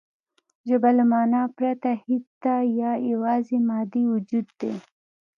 ژبه له مانا پرته هېڅ ده یا یواځې مادي وجود دی